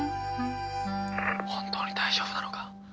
本当に大丈夫なのか？